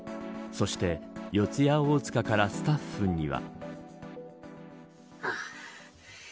そして、四谷大塚からスタッフには。